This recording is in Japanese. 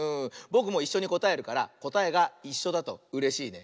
ぼくもいっしょにこたえるからこたえがいっしょだとうれしいね。